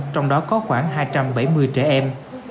trong đó có khoảng hai trăm bảy mươi trẻ em